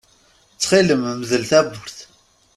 Ttxil-m, mdel tawwurt!